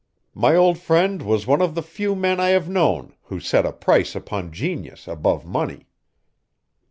My old friend was one of the few men I have known who set a price upon genius above money."